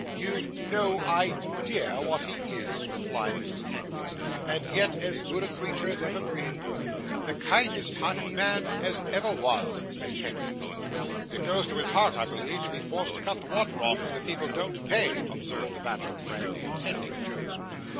'You've no idea what he is,' replied Mrs. Kenwigs; 'and yet as good a creature as ever breathed.' 'The kindest hearted man as ever was,' said Kenwigs. 'It goes to his heart, I believe, to be forced to cut the water off, when the people don't pay,' observed the bachelor friend, intending a joke.